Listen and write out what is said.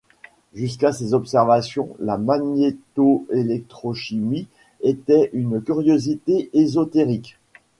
Jusqu'à ces observations, la magnetoélectrochimie était une curiosité ésotérique.